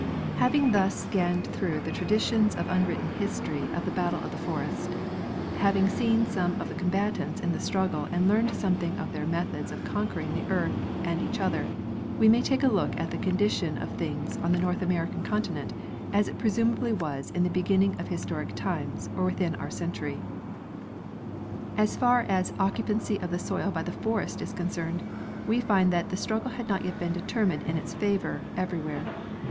Having thus scanned through the traditions of unwritten his tory of the battle of the forest, having seen some of the com batants in the struggle and learned something of their methods of conquering the earth and each other, we may take a look at the condition of things on the North American continent as it presumably was in the beginning of historic times or within our century. As far as occupancy of the soil by the forest is concerned, we find that the struggle had not yet been determined in its fayor The Afforestation of the desert Areas. 137 everywhere.